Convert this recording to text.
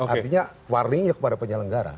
artinya warningnya kepada penyelenggara